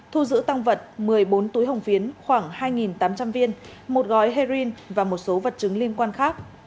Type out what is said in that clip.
thu giữ tăng vật một mươi bốn túi hồng phiến khoảng hai tám trăm linh viên một gói heroin và một số vật chứng liên quan khác